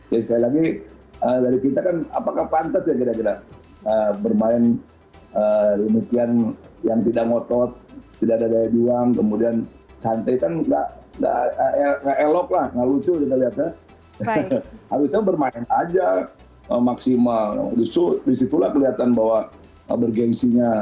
jadi sekali lagi dari kita kan apakah pantas ya kira kira bermain demikian yang tidak ngotot tidak ada daya juang kemudian santai kan enggak elok lah enggak lucu kita lihat ya